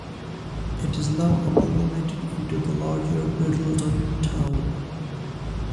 It is now amalgamated into the larger Bridlington town.